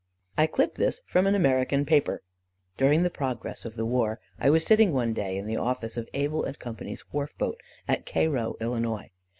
I clip this from an American paper: "During the progress of the war I was sitting one day in the office of Able and Co.'s wharf boat at Cairo, Illinois.